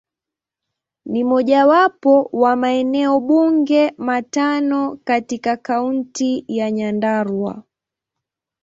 Ni mojawapo wa maeneo bunge matano katika Kaunti ya Nyandarua.